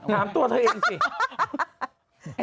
ถามตัวเธอเองสิ